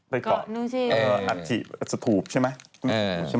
เกาะอัฐิสถูปใช่ไหม